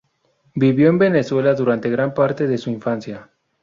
Vivió en Venezuela durante gran parte de su infancia.